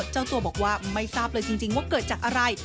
เจ้าตัวบอกว่าไม่ทราบเลยจริงว่าเกิดจากอะไร